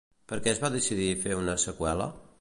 Per què es va decidir fer una seqüela?